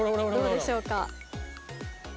どうでしょうか。